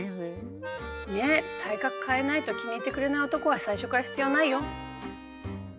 体格変えないと気に入ってくれない男は最初から必要ないよ。